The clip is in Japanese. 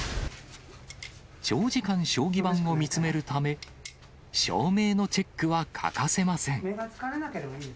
長時間、将棋盤を見つめるため、照明のチェックは欠かせません。